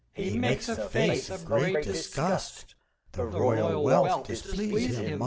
He makes a face Of great disgust; The royal wealth Displease him must.